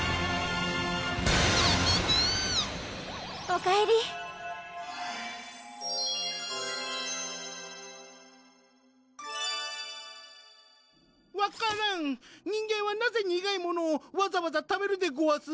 おかえり分からん人間はなぜ苦いものをわざわざ食べるでごわす？